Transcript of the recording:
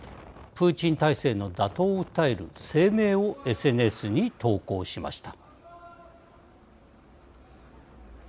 プーチン体制の打倒を訴える声明をＳＮＳに投稿しました。